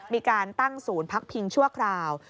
มีการตั้งศูนย์พักพิงชั่วคราว